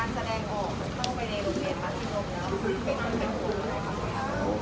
ตอนนี้การแสดงออกต้องไปในโรงเกณฑ์มาสิงหลง